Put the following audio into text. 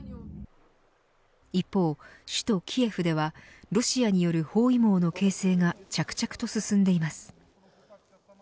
一方、首都キエフではロシアによる包囲網の形成が着々と進んでいます。